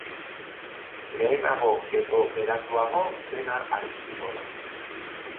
Lehenago edo beranduago, dena argituko da.